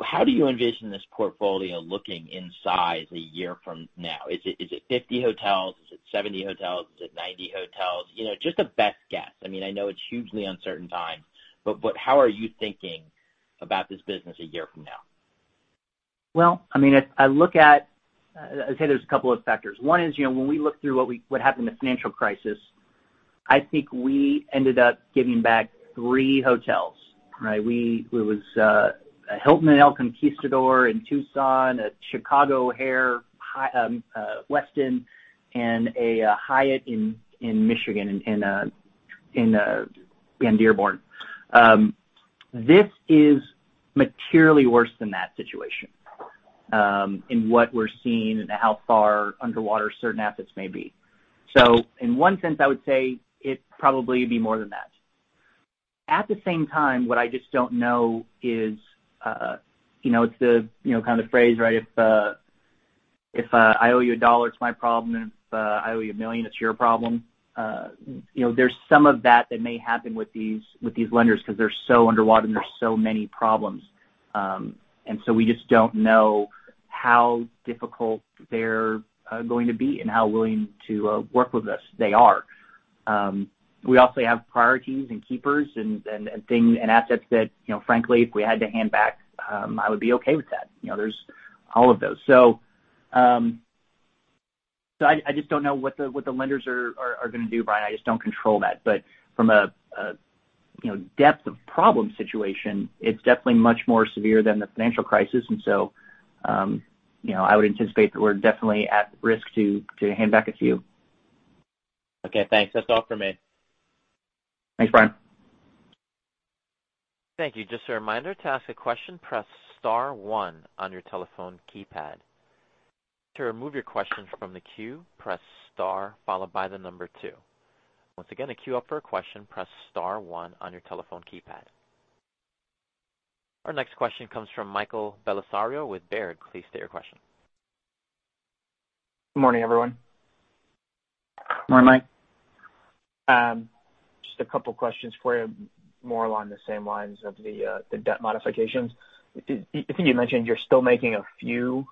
how do you envision this portfolio looking in size a year from now? Is it 50 hotels? Is it 70 hotels? Is it 90 hotels? Just a best guess. I know it's hugely uncertain times, but how are you thinking about this business a year from now? I'd say there's a couple of factors. One is, when we look through what happened in the financial crisis, I think we ended up giving back three hotels, right? It was a Hilton El Conquistador in Tucson, a Chicago O'Hare Westin, and a Hyatt in Michigan, in Dearborn. This is materially worse than that situation, in what we're seeing and how far underwater certain assets may be. In one sense, I would say it'd probably be more than that. At the same time, what I just don't know is, it's the kind of phrase, right, if I owe you a dollar, it's my problem, and if I owe you a million, it's your problem. There's some of that that may happen with these lenders because they're so underwater and there's so many problems. We just don't know how difficult they're going to be and how willing to work with us they are. We also have priorities and keepers and assets that, frankly, if we had to hand back, I would be okay with that. There's all of those. I just don't know what the lenders are going to do, Bryan. I just don't control that. From a depth-of-problem situation, it's definitely much more severe than the financial crisis. I would anticipate that we're definitely at risk to hand back a few. Okay, thanks. That's all for me. Thanks, Bryan. Thank you. Just a reminder to ask a question, press star one on your telephone keypad. To remove your question from the queue, press star followed by the number two. Once again, to queue up for a question, press star one on your telephone keypad. Our next question comes from Michael Bellisario with Baird. Please state your question. Good morning, everyone. Morning, Mike. Just a couple of questions for you, more along the same lines of the debt modifications. I think you mentioned you're still making a few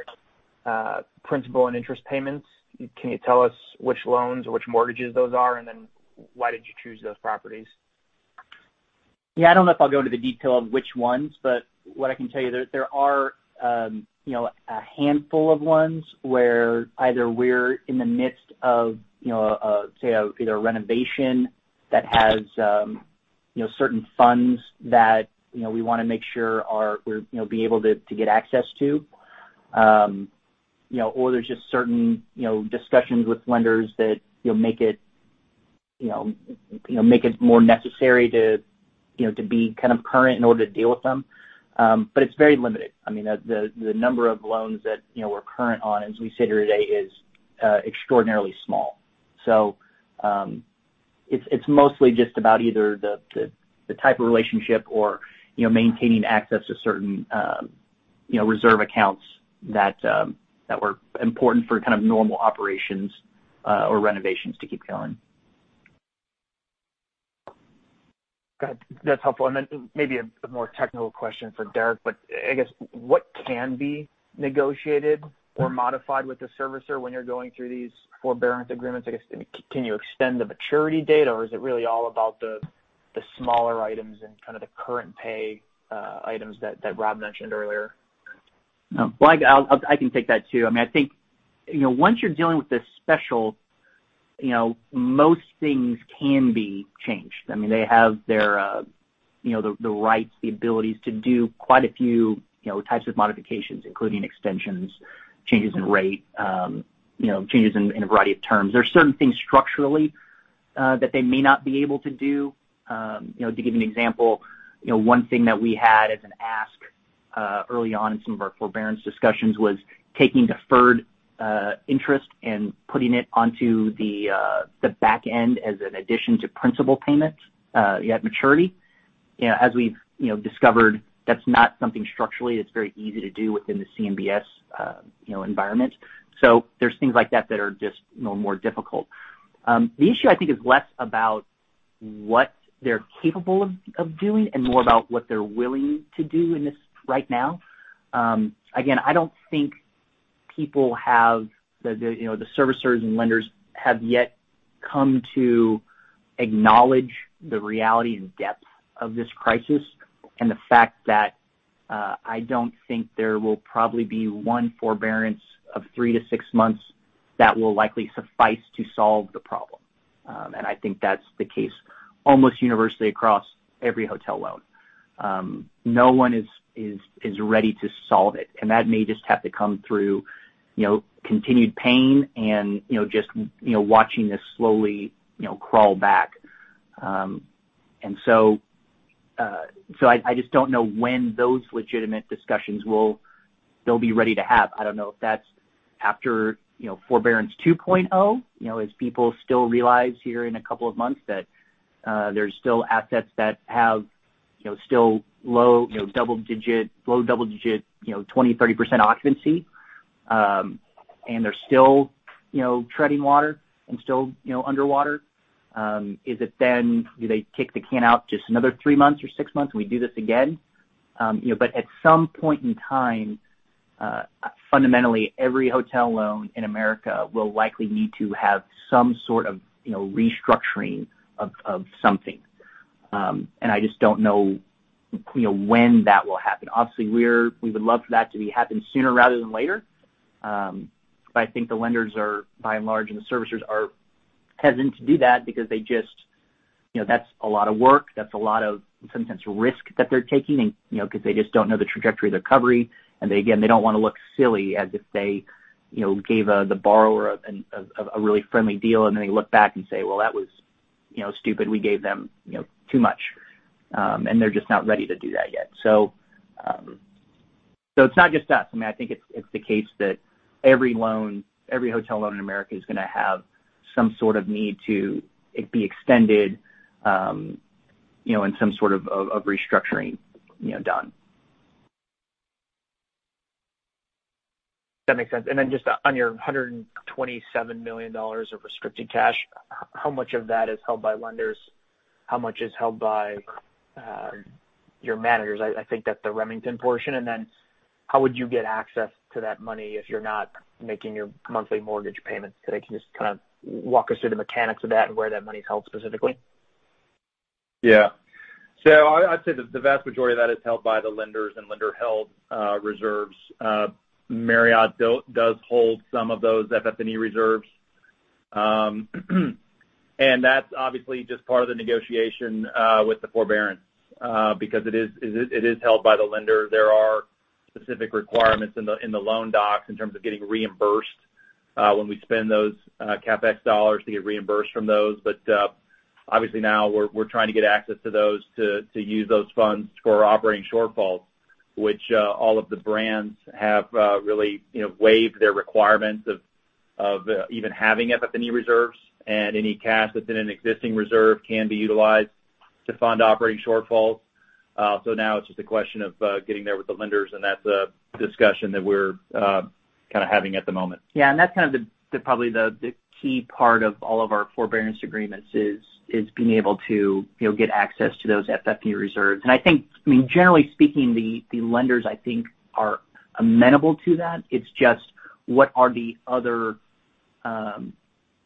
principal and interest payments. Can you tell us which loans or which mortgages those are, and then why did you choose those properties? Yeah, I don't know if I'll go into the detail of which ones, but what I can tell you, there are a handful of ones where either we're in the midst of, say either a renovation that has certain funds that we want to make sure we're be able to get access to, or there's just certain discussions with lenders that make it more necessary to be kind of current in order to deal with them. It's very limited. The number of loans that we're current on as we sit here today is extraordinarily small. It's mostly just about either the type of relationship or maintaining access to certain reserve accounts that were important for kind of normal operations or renovations to keep going. Got it. That's helpful. Maybe a more technical question for Deric, but I guess what can be negotiated or modified with the servicer when you're going through these forbearance agreements? I guess, can you extend the maturity date, or is it really all about the smaller items and kind of the current pay items that Rob mentioned earlier? Well, I can take that, too. I think once you're dealing with this special, most things can be changed. They have the rights, the abilities to do quite a few types of modifications, including extensions, changes in rate, changes in a variety of terms. There's certain things structurally that they may not be able to do. To give you an example, one thing that we had as an ask early on in some of our forbearance discussions was taking deferred interest and putting it onto the back end as an addition to principal payments at maturity. As we've discovered, that's not something structurally that's very easy to do within the CMBS environment. There's things like that that are just more difficult. The issue, I think, is less about what they're capable of doing and more about what they're willing to do in this right now. I don't think the servicers and lenders have yet come to acknowledge the reality and depth of this crisis, and the fact that I don't think there will probably be one forbearance of three to six months that will likely suffice to solve the problem. I think that's the case almost universally across every hotel loan. No one is ready to solve it, and that may just have to come through continued pain and just watching this slowly crawl back. I just don't know when those legitimate discussions they'll be ready to have. I don't know if that's after forbearance 2.0, as people still realize here in a couple of months that there's still assets that have still low double-digit 20%-30% occupancy, and they're still treading water and still underwater. Is it then, do they kick the can out just another three months or six months and we do this again? At some point in time, fundamentally, every hotel loan in America will likely need to have some sort of restructuring of something. I just don't know when that will happen. Obviously, we would love for that to be happening sooner rather than later. I think the lenders are by and large, and the servicers are hesitant to do that because that's a lot of work, that's a lot of, in some sense, risk that they're taking, because they just don't know the trajectory of the recovery. Again, they don't want to look silly as if they gave the borrower a really friendly deal, and then they look back and say, "Well, that was stupid. We gave them too much. They're just not ready to do that yet. It's not just us. I think it's the case that every hotel loan in America is going to have some sort of need to be extended, and some sort of restructuring done. That makes sense. Just on your $127 million of restricted cash, how much of that is held by lenders? How much is held by your managers? I think that's the Remington portion. How would you get access to that money if you're not making your monthly mortgage payments? Can you just walk us through the mechanics of that and where that money is held specifically? Yeah. I'd say that the vast majority of that is held by the lenders and lender-held reserves. Marriott does hold some of those FF&E reserves. That's obviously just part of the negotiation with the forbearance because it is held by the lender. There are specific requirements in the loan docs in terms of getting reimbursed when we spend those CapEx dollars to get reimbursed from those. Obviously now we're trying to get access to those to use those funds for operating shortfalls, which all of the brands have really waived their requirements of even having FF&E reserves, and any cash that's in an existing reserve can be utilized to fund operating shortfalls. Now it's just a question of getting there with the lenders, and that's a discussion that we're having at the moment. Yeah, that's probably the key part of all of our forbearance agreements is being able to get access to those FF&E reserves. I think, generally speaking, the lenders, I think are amenable to that. It's just, what are the other kind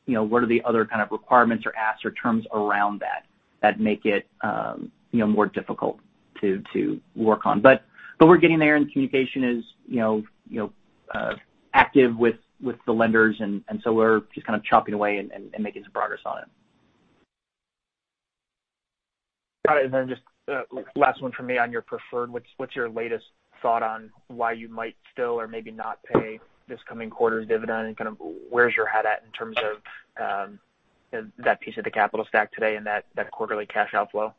of requirements or asks or terms around that that make it more difficult to work on. We're getting there, communication is active with the lenders, we're just chopping away and making some progress on it. Got it. Just last one from me on your preferred. What's your latest thought on why you might still or maybe not pay this coming quarter's dividend, and where's your head at in terms of that piece of the capital stack today and that quarterly cash outflow?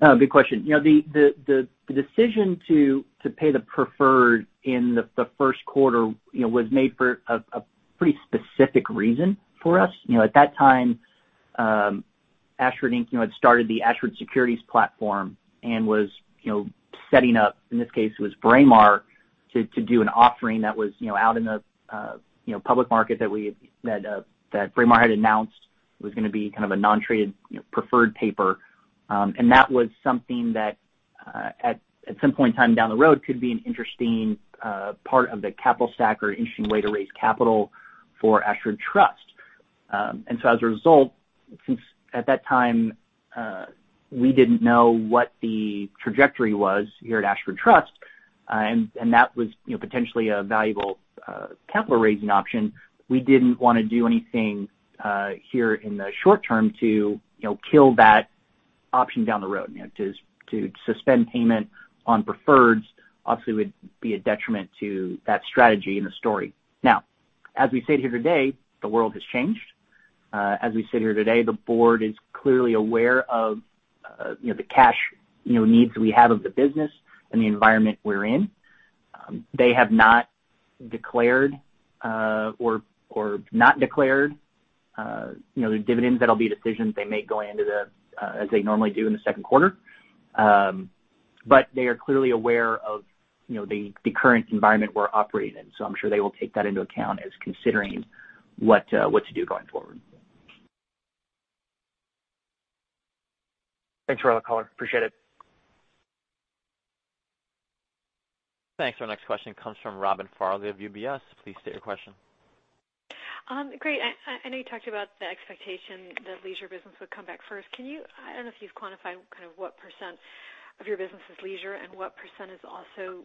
Good question. The decision to pay the preferred in the first quarter was made for a pretty specific reason for us. At that time, Ashford Inc. had started the Ashford Securities platform and was setting up, in this case, it was Braemar, to do an offering that was out in the public market that Braemar had announced. It was going to be a non-traded preferred paper. That was something that, at some point in time down the road, could be an interesting part of the capital stack or interesting way to raise capital for Ashford Trust. As a result, since at that time, we didn't know what the trajectory was here at Ashford Trust, and that was potentially a valuable capital-raising option. We didn't want to do anything here in the short term to kill that option down the road. To suspend payment on preferreds obviously would be a detriment to that strategy and the story. As we sit here today, the world has changed. As we sit here today, the board is clearly aware of the cash needs we have of the business and the environment we're in. They have not declared or not declared the dividends. That'll be a decision they make as they normally do in the second quarter. They are clearly aware of the current environment we're operating in. I'm sure they will take that into account as considering what to do going forward. Thanks for all the color. Appreciate it. Thanks. Our next question comes from Robin Farley of UBS. Please state your question. Great. I know you talked about the expectation that leisure business would come back first. I don't know if you've quantified what % of your business is leisure and what % is also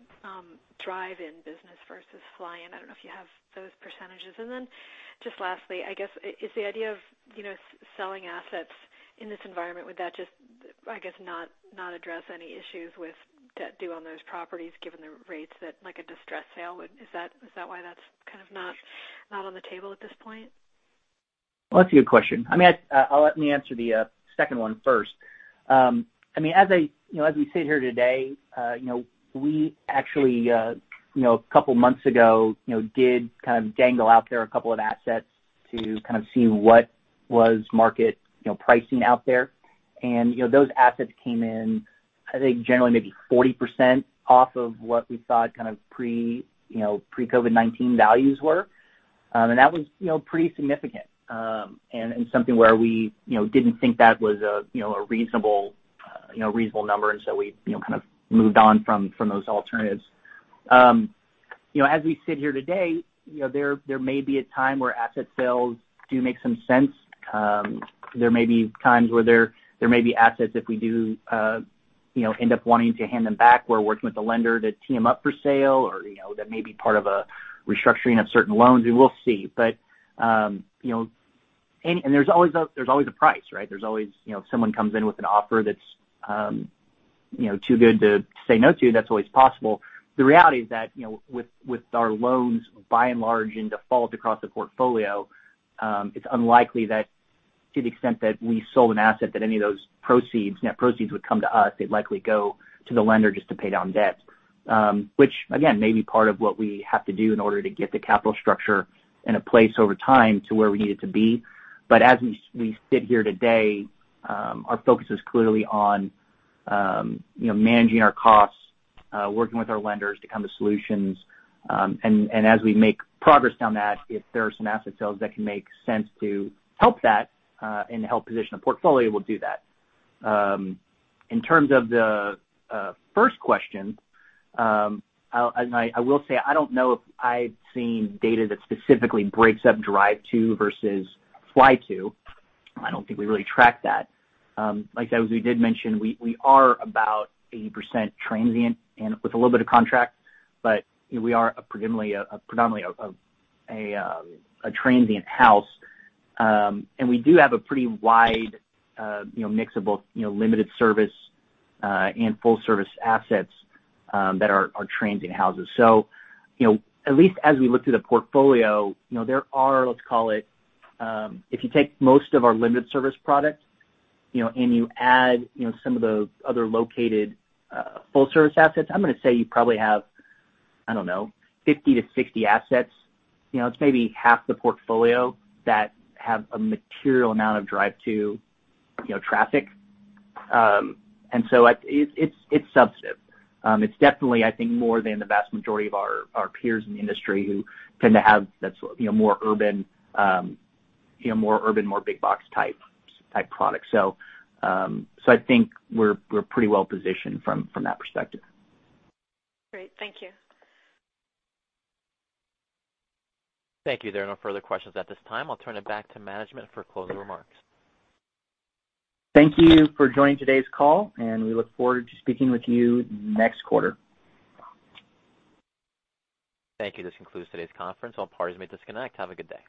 drive-in business versus fly-in? I don't know if you have those %. Just lastly, I guess, is the idea of selling assets in this environment, would that just, I guess, not address any issues with debt due on those properties given the rates that, like a distressed sale would. Is that why that's kind of not on the table at this point? Well, that's a good question. Let me answer the second one first. As we sit here today, we actually, a couple of months ago, did dangle out there a couple of assets to kind of see what was market pricing out there. Those assets came in, I think, generally maybe 40% off of what we thought pre-COVID-19 values were. That was pretty significant, and something where we didn't think that was a reasonable number, we kind of moved on from those alternatives. As we sit here today, there may be a time where asset sales do make some sense. There may be times where there may be assets if we do end up wanting to hand them back. We're working with the lender to team up for sale, or that may be part of a restructuring of certain loans. We will see. There's always a price, right? If someone comes in with an offer that's too good to say no to, that's always possible. The reality is that, with our loans by and large in default across the portfolio, it's unlikely that to the extent that we sold an asset, that any of those net proceeds would come to us. They'd likely go to the lender just to pay down debt. Which, again, may be part of what we have to do in order to get the capital structure in a place over time to where we need it to be. As we sit here today, our focus is clearly on managing our costs, working with our lenders to come to solutions. As we make progress down that, if there are some asset sales that can make sense to help that, and to help position a portfolio, we'll do that. In terms of the first question, and I will say, I don't know if I've seen data that specifically breaks up drive-to versus fly-to. I don't think we really track that. Like I said, as we did mention, we are about 80% transient and with a little bit of contract, but we are predominantly a transient house. We do have a pretty wide mix of both limited service and full service assets that are transient houses. At least as we look through the portfolio, there are, let's call it, if you take most of our limited service products, and you add some of the other located full service assets, I'm going to say you probably have, I don't know, 50 to 60 assets. It's maybe half the portfolio that have a material amount of drive-to traffic. It's substantive. It's definitely, I think, more than the vast majority of our peers in the industry who tend to have more urban, more big box type products. I think we're pretty well-positioned from that perspective. Great. Thank you. Thank you. There are no further questions at this time. I'll turn it back to management for closing remarks. Thank you for joining today's call, and we look forward to speaking with you next quarter. Thank you. This concludes today's conference. All parties may disconnect. Have a good day.